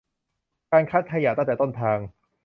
การคัดแยกขยะตั้งแต่ต้นทาง